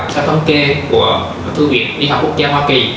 theo thống kê của thư viện y học quốc gia hoa kỳ